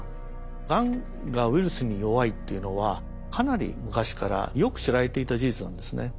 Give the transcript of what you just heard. がんがウイルスに弱いっていうのはかなり昔からよく知られていた事実なんですね。